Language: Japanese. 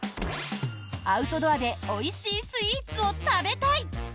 アウトドアでおいしいスイーツを食べたい！